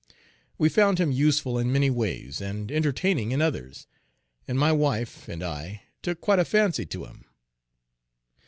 We found him useful in many ways and entertaining in others, and my wife and I took quite a fancy to him.